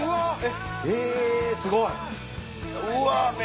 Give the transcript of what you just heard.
えすごい！